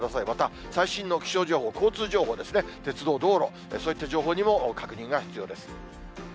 また最新の気象情報、交通情報ですね、鉄道、道路、そういった情報にも確認が必要です。